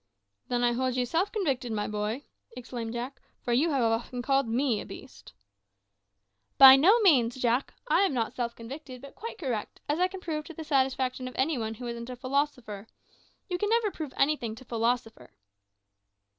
"Then I hold you self convicted, my boy," exclaimed Jack; "for you have often called me a beast." "By no means, Jack. I am not self convicted, but quite correct, as I can prove to the satisfaction of any one who isn't a philosopher. You never can prove anything to a philosopher."